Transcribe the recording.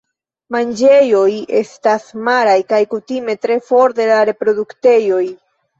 Manĝejoj estas maraj kaj kutime tre for de la reproduktejoj.